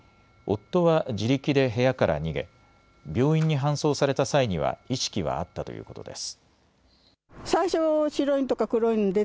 夫は自力で部屋から逃げ病院に搬送された際には意識はあったということです。